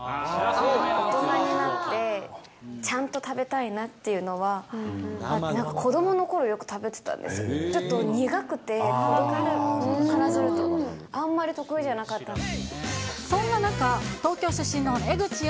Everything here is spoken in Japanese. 大人になって、ちゃんと食べたいなっていうのは、なんか子どものころ、よく食べてたんですけど、ちょっと苦くて、子どもからするとあんまり得意じゃなかったんで。